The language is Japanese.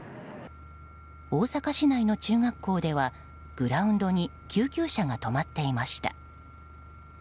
大阪市内の中学校ではグラウンドに救急車が止まっていました。